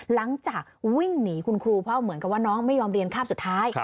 หลังจากวิ่งหนีคุณครูเพราะเหมือนกับว่าน้องไม่ยอมเรียนคราบสุดท้าย